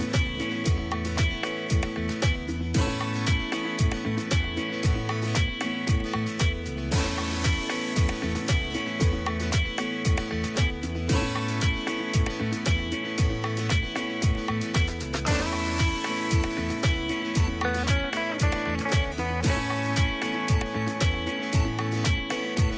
สวัสดีครับพี่สิทธิ์มหันต์